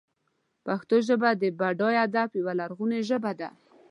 پښتو ژبه د بډای ادب یوه لرغونې ژبه ده.